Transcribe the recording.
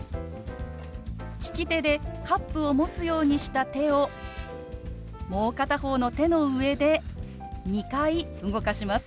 利き手でカップを持つようにした手をもう片方の手の上で２回動かします。